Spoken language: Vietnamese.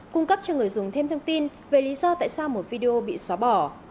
cung cấp cho người dùng thêm thông tin về lý do tại sao một video bị xóa bỏ